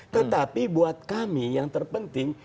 tetapi buat kami yang terpenting